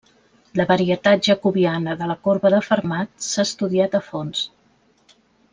La varietat jacobiana de la corba de Fermat s'ha estudiat a fons.